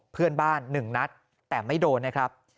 เพื่อนบ้าน๑นัดแต่ไม่โดนนะครับ